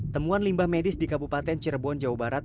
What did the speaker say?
temuan limbah medis di kabupaten cirebon jawa barat